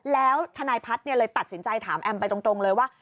แล้วทนายพัฒน์เลยตัดสินใจถามแอมไปตรงเลยว่า